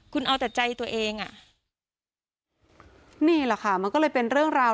คุณเอาแต่ใจตัวเองอ่ะนี่แหละค่ะมันก็เลยเป็นเรื่องราว